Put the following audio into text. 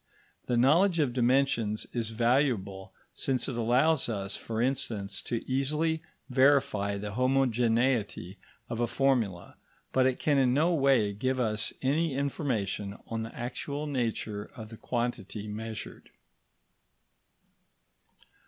The knowledge of dimensions is valuable, since it allows us, for instance, to easily verify the homogeneity of a formula, but it can in no way give us any information on the actual nature of the quantity measured.